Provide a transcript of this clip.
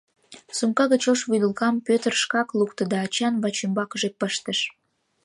Сумка гыч ош вӱдылкам Пӧтыр шкак лукто да ачан вачӱмбакыже пыштыш.